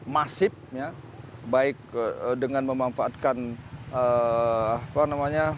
masif baik dengan memanfaatkan